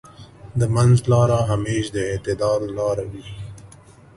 د منځ لاره همېش د اعتدال لاره وي.